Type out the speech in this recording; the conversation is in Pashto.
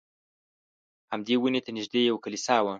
همدې ونې ته نږدې یوه کلیسا وه.